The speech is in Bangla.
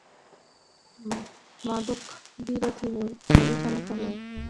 মাদকবিরোধী অভিযানের ফলে জঙ্গিবিরোধী অভিযান ব্যাহত হবে না বরং আরও জোরদার হবে।